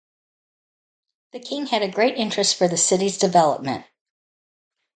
The king had a great interest for the city's development.